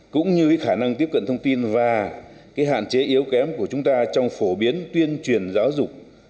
cũng như khả năng tiếp cận thông tin và hạn chế yếu kém của chúng ta trong phổ biến tuyên truyền giáo dục